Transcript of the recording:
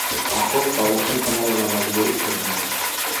Аҡыл тауышын тыңларға мәжбүр итербеҙ.